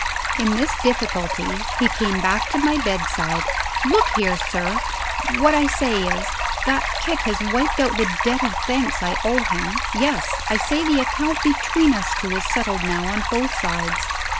In this difficulty, he came back to my bedside. "Look here, sir! What I say is that kick has wiped out the debt of thanks I owe him. Yes. I say the account between us two is settled now, on both sides.